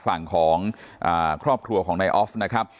ฝั่งของครอบครัวของนายออฟนะครับ